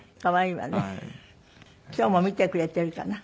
今日も見てくれているかな？